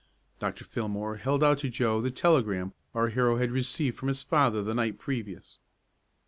Dr. Fillmore held out to Joe the telegram our hero had received from his father the night previous!